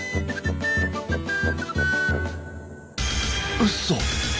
うそ！